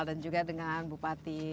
dan juga dengan bupati